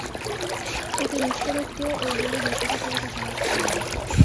অতি দুষ্ট ব্যক্তিও ঐগুলি দূষিত করিতে সাহস করে নাই।